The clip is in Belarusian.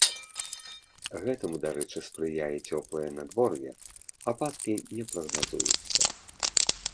Гэтаму, дарэчы, спрыяе цёплае надвор'е, ападкі не прагназуюцца.